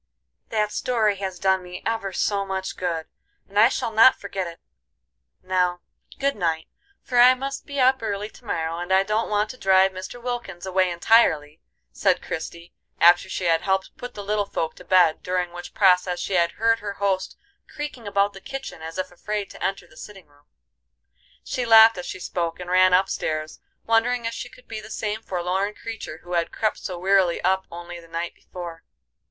"That story has done me ever so much good, and I shall not forget it. Now, good night, for I must be up early to morrow, and I don't want to drive Mr. Wilkins away entirely," said Christie, after she had helped put the little folk to bed, during which process she had heard her host creaking about the kitchen as if afraid to enter the sitting room. She laughed as she spoke, and ran up stairs, wondering if she could be the same forlorn creature who had crept so wearily up only the night before.